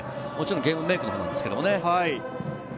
もちろんゲームメイクのほうなんですけどね。